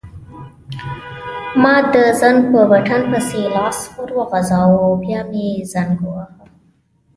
ما د زنګ په بټن پسې لاس وروغځاوه او بیا مې زنګ وواهه.